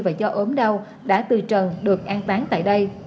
và do ốm đau đã từ trần được an tán tại đây